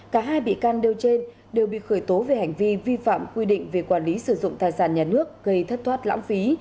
cả hai bị can đều trên đều bị khởi tố về hành vi vi phạm quy định về quản lý sử dụng tài sản nhà nước gây thất thoát lãng phí